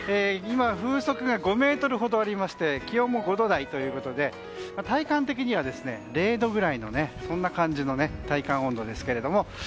今、風速が５メートルほどありまして気温も５度台ということで体感的には０度ぐらいのそんな感じの体感温度ですが。